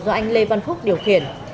do anh lê văn phúc điều khiển